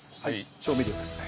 調味料ですね。